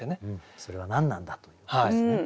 それは何なんだということですよね。